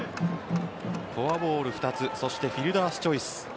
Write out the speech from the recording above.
フォアボール２つそしてフィルダースチョイス。